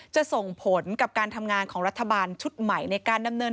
จะส่งผลกับการทำงานของรัฐบาลชุดใหม่ในการดำเนิน